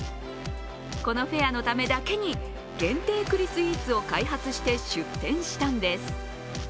このフェアのためだけに限定栗スイーツを開発して出店したんです。